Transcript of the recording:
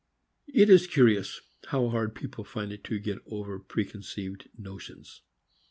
It is curious how hard people find it to get over precon ceived notions.